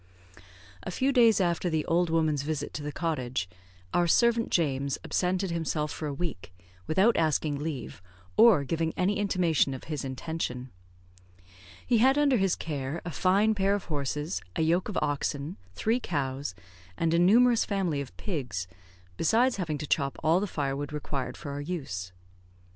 A few days after the old woman's visit to the cottage, our servant James absented himself for a week, without asking leave, or giving any intimation of his intention. He had under his care a fine pair of horses, a yoke of oxen, three cows, and a numerous family of pigs, besides having to chop all the firewood required for our use.